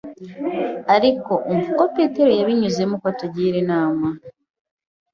Ariko, Umva uko Peter wabinyuzemo uko atugira inama: